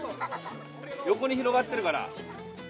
横に広がってるから。